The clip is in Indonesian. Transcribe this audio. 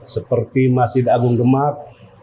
seperti masjid agung demak